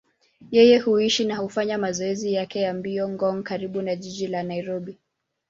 Yeye huishi na hufanya mazoezi yake ya mbio Ngong, karibu na jiji la Nairobi.